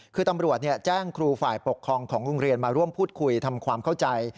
คือตำรวจแจ้งครูฝ่ายปกครองของโรงเรียนมาร่วมพูดคุยทำความเข้าใจ